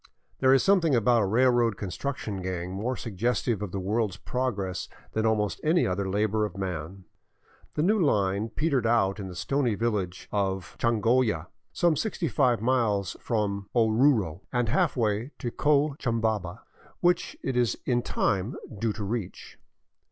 There is something about a railroad construction gang more suggestive of the world's progress than almost any other labor of man. The new line petered out in the stony village of Changolla, some sixty five miles from Oruro and halfway to Cochabamba, which it is in time due to reach.